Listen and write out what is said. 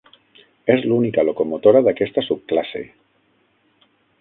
És l'única locomotora d'aquesta subclasse.